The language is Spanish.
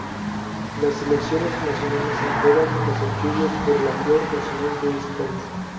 La selecciones nacionales se apodan "Las Orquídeas" por la flor nacional de ese país.